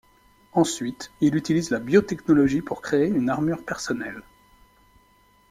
Ensuite, il utilise la biotechnologie pour créer une armure personnelle.